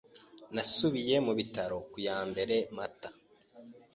Nasubiye mu bitaro ku ya mbere Mata